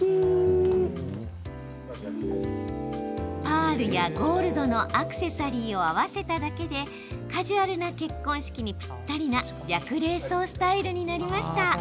パールやゴールドのアクセサリーを合わせただけでカジュアルな結婚式にぴったりな略礼装スタイルになりました。